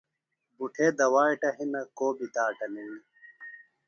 بُٹھے دوِیاٹہ ہِنہ کو بیۡ داٹہ نئینہ۔